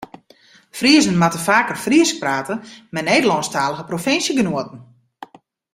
Friezen moatte faker Frysk prate mei Nederlânsktalige provinsjegenoaten.